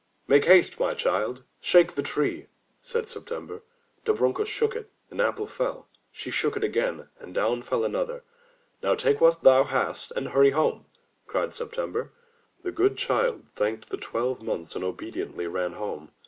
"Make haste, my child, shake the tree," said September. Dobrunka shook it; an apple fell; she shook it again, and down fell another. "Now take what thou hast and hurry home!" cried Septem ber. The good child thanked the Twelve Months and obediently ran back home.